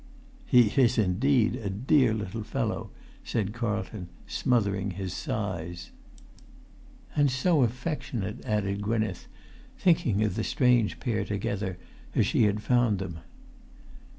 "He is indeed a dear little fellow," said Carlton, smothering his sighs. "And so affectionate!" added Gwynneth, thinking of the strange pair together as she had found them.